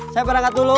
saya berangkat ke sana